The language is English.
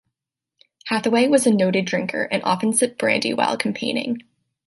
Hathaway was a noted drinker, and often sipped brandy while campaigning.